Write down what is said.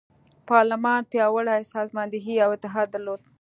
پارلمان پیاوړې سازماندهي او اتحاد درلود.